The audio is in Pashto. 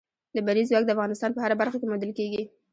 لمریز ځواک د افغانستان په هره برخه کې موندل کېږي.